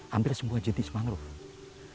hampir semua jenis mangrove